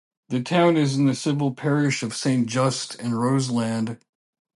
The town is in the civil parish of Saint Just in Roseland.